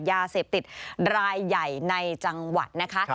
ยาเสพติดรายใหญ่ในจังหวัดนะคะ